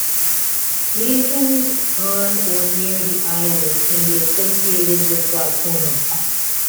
Lesions on or near the eyelid can be associated with glaucoma.